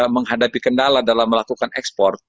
menghadapi kendala dalam melakukan ekspor